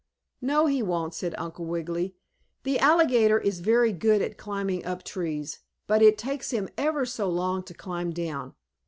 "No, he won't," said Uncle Wiggily. "The alligator is very good at climbing up trees, but it takes him ever so long to climb down.